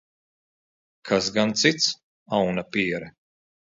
Kas gan cits, aunapiere?